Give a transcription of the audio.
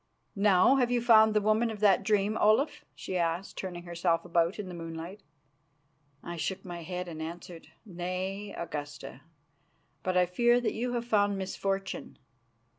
"Now have you found the woman of that dream, Olaf?" she asked, turning herself about in the moonlight. I shook my head and answered: "Nay, Augusta; but I fear that you have found misfortune.